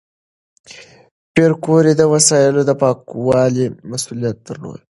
پېیر کوري د وسایلو د پاکوالي مسؤلیت درلود.